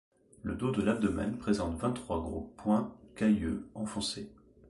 Le dos de l'abdomen présente vingt-trois gros points calleux enfoncés.